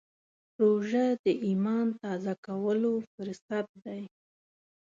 روژه د ایمان تازه کولو فرصت دی.